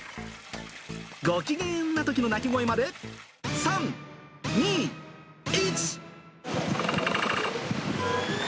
ご機嫌なときの鳴き声まで３、２、１。